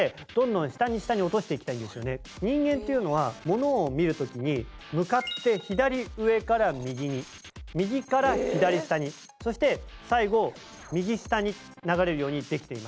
人間っていうのはものを見る時に向かって左上から右に右から左下にそして最後右下に流れるようにできています。